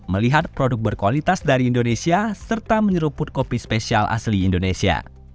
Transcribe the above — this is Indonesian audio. melihat produk berkualitas dari indonesia serta menyeruput kopi spesial asli indonesia